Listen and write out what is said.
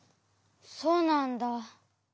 そうなんだ。